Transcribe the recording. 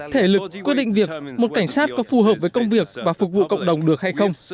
thể lực quyết định việc một cảnh sát có phù hợp với công việc và phục vụ cộng đồng được hay không